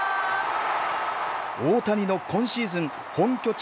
大谷の今シーズン本拠地